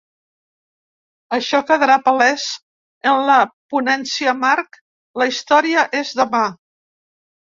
Així quedarà palès en la ponència marc La història és demà!